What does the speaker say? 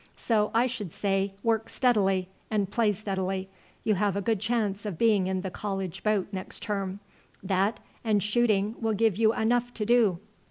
So I should say, work steadily and play steadily. You have a good chance of being in the college boat next term; that and shooting will give you enough to do.